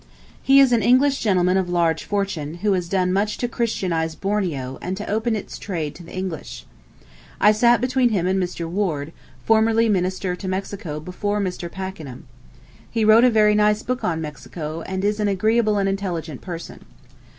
He is an English gentleman of large fortune who has done much to Christianize Borneo, and to open its trade to the English. I sat between him and Mr. Ward, formerly Minister to Mexico before Mr. Pakenham. He wrote a very nice book on Mexico, and is an agreeable and intelligent person.